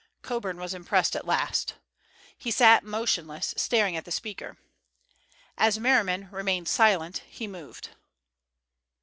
Coburn was impressed at last. He sat motionless, staring at the speaker. As Merriman remained silent, he moved.